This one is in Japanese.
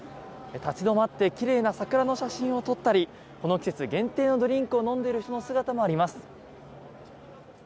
立ち止まって奇麗な桜の写真を撮ったりこの季節限定のドリンクを飲んでいる人の姿もあります。